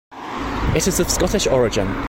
It is of Scottish origin.